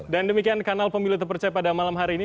dan demikian kanal pemilu terpercaya pada malam hari ini